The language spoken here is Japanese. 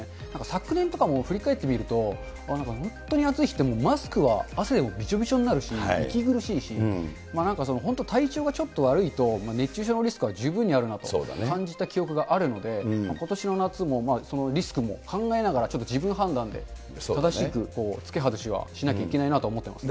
昨年とかも振り返ってみると、なんか本当に暑い日って、マスクは汗でびちょびちょになるし、息苦しいし、なんか体調がちょっと悪いと熱中症のリスクが十分にあるなと感じた記憶があるので、ことしの夏もそのリスクも考えながら、ちょっと自分判断で、正しく着け外しはしなきゃいけないなと思ってます。